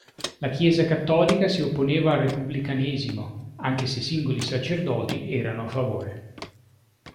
La chiesa cattolica si opponeva al repubblicanesimo, anche se singoli sacerdoti erano a favore.